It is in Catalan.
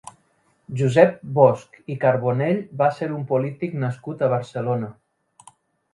Josep Bosch i Carbonell va ser un polític nascut a Barcelona.